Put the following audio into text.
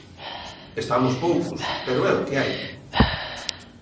Estamos poucos pero é o que hai.